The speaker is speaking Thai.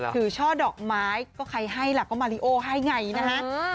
ช่อดอกไม้ก็ใครให้ล่ะก็มาริโอให้ไงนะฮะ